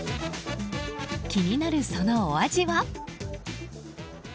気になる、そのお味は？